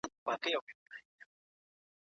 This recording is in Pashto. ککړتیا د ناروغۍ لامل کېږي.